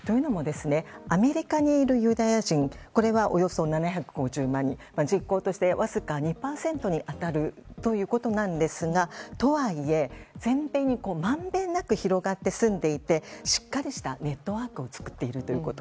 アメリカにいるユダヤ人はおよそ７５０万人人口として、わずか２％に当たるということですがとはいえ、全米にまんべんなく広がって住んでいてしっかりしたネットワークを作っているということ。